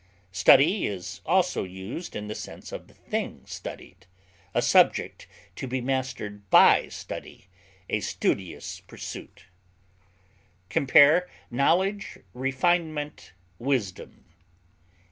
Study is also used in the sense of the thing studied, a subject to be mastered by study, a studious pursuit. Compare KNOWLEDGE; REFINEMENT; WISDOM.